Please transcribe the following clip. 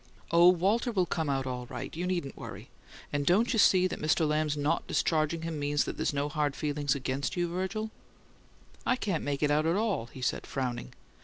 "Oh, Walter will come out all right; you needn't worry. And don't you see that Mr. Lamb's not discharging him means there's no hard feeling against you, Virgil?" "I can't make it out at all," he said, frowning.